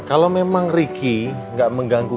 kalau memang ricky gak mengganggu